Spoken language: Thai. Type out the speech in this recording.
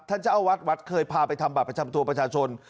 เจ้าวัดวัดเคยพาไปทำบัตรประจำตัวประชาชน